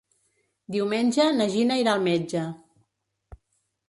Diumenge na Gina irà al metge.